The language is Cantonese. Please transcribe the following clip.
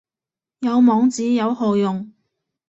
有網址有何用